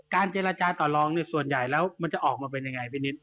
เจรจาต่อลองเนี่ยส่วนใหญ่แล้วมันจะออกมาเป็นยังไงพี่นิด